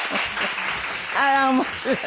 あら面白い。